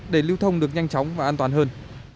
để lưu thông được nhanh chóng và an toàn hơn